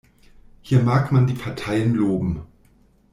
Hier mag man die Parteien loben.